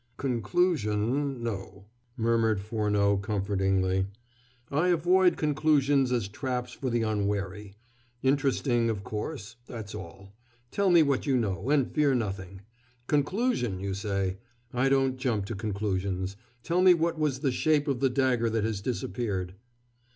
"Conclusion, no," murmured Furneaux comfortingly "I avoid conclusions as traps for the unwary. Interesting, of course, that's all. Tell me what you know, and fear nothing. Conclusion, you say! I don't jump to conclusions. Tell me what was the shape of the dagger that has disappeared."